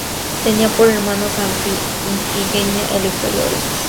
Tenía por hermanos a Ifigenia, Electra y Orestes.